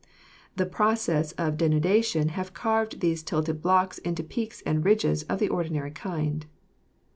The processes of denuda tion have carved these tilted blocks into peaks and ridges of the ordinary kind.